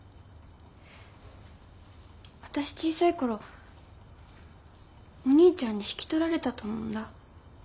わたし小さいころお兄ちゃんに引き取られたと思うんだ。